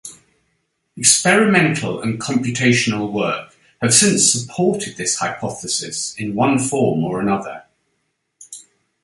Experimental and computational work have since supported this hypothesis in one form or another.